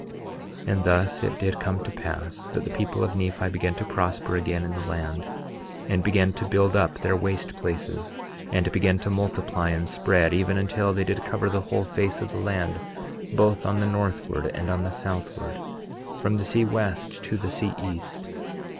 11:20 And thus it did come to pass that the people of Nephi began to prosper again in the land, and began to build up their waste places, and began to multiply and spread, even until they did cover the whole face of the land, both on the northward and on the southward, from the sea west to the sea east.